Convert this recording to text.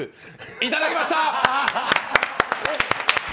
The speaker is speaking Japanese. いただきました！